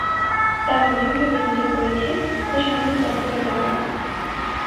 তাঁর মনে হল বিনুযা করেছে, তা সাময়িক অস্থিরতার কারণে।